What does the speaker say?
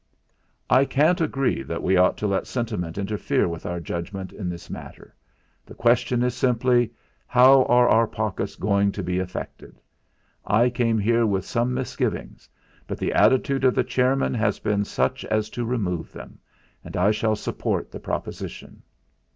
"I can't agree that we ought to let sentiment interfere with our judgment in this matter. The question is simply: How are our pockets going to be affected? I came here with some misgivings, but the attitude of the chairman has been such as to remove them; and I shall support the proposition."